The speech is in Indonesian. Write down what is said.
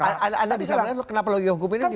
anda bisa melihat kenapa logika hukumnya ini dibalik